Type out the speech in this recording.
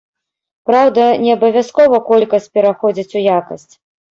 Праўда, не абавязкова колькасць пераходзіць у якасць.